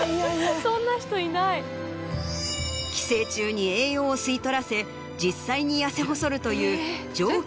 ・そんな人いない・寄生虫に栄養を吸い取らせ実際に痩せ細るという。